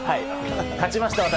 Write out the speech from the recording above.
勝ちました、私。